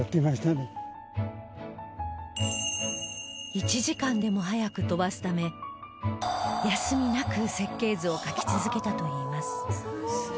１時間でも早く飛ばすため休みなく設計図を描き続けたといいます